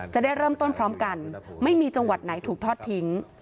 จะได้เริ่มต้นพร้อมกันไม่มีจังหวัดไหนถูกทอดทิ้ง